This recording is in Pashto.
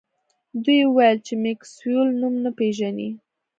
دوی وویل چې میکسویل نوم نه پیژني